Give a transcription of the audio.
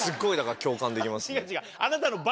違う違う。